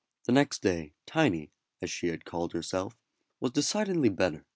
The next day Tiny, as she had called herself, was decidedly better.